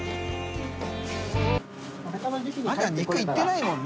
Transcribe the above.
泙肉いってないもんね。